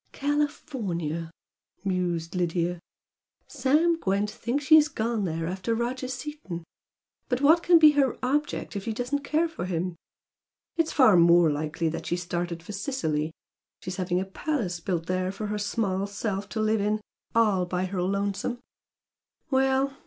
"California!" mused Lydia "Sam Gwent thinks she has gone there after Roger Seaton. But what can be her object if she doesn't care for him? It's far more likely she's started for Sicily she's having a palace built there for her small self to live in 'all by her lonesome'! Well!